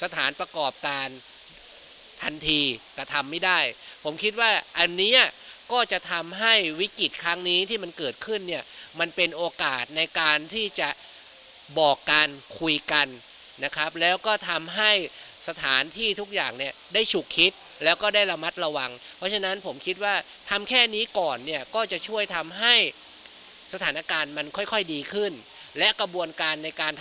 สถานประกอบการทันทีแต่ทำไม่ได้ผมคิดว่าอันนี้ก็จะทำให้วิกฤตครั้งนี้ที่มันเกิดขึ้นเนี่ยมันเป็นโอกาสในการที่จะบอกการคุยกันนะครับแล้วก็ทำให้สถานที่ทุกอย่างเนี่ยได้ฉุกคิดแล้วก็ได้ระมัดระวังเพราะฉะนั้นผมคิดว่าทำแค่นี้ก่อนเนี่ยก็จะช่วยทำให้สถานการณ์มันค่อยค่อยดีขึ้นและกระบวนการในการท